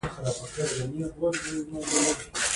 د افغانستان په منظره کې رسوب په ډېر ښکاره ډول دي.